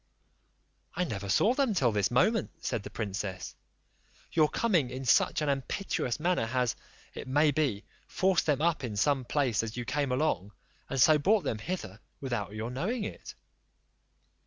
"I never saw them till this moment," said the princess. "Your coming in such an impetuous manner has, it may be, forced them up in some place as you came along, and so brought them hither without your knowing it."